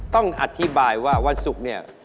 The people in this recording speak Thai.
ต้องอธิบายว่าวันศุกร์เนี่ย